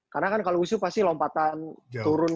karena kan kalau wushu pasti lompatan turun